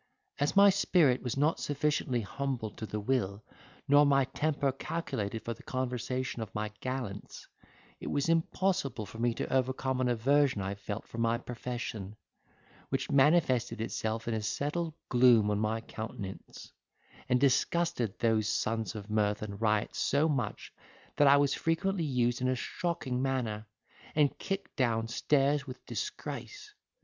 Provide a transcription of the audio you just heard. As my spirit was not sufficiently humbled to the will, nor my temper calculated for the conversation of my gallants, it was impossible for me to overcome an aversion I felt for my profession, which manifested itself in a settled gloom on my countenance, and disgusted those sons of mirth and riot so much, that I was frequently used in a shocking manner, and kicked down stairs with disgrace.